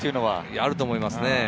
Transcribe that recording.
あると思います。